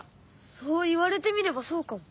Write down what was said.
そう言われてみればそうかも。